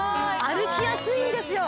歩きやすいんですよ。